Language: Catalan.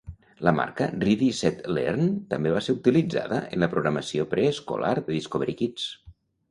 La marca "Ready Set Learn" també va ser utilitzada en la programació preescolar de Discovery Kids.